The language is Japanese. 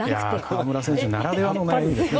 河村選手ならではの悩みですね。